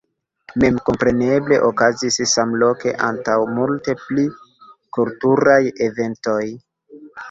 Memkompreneble okazis samloke ankaŭ multe pli kulturaj eventoj.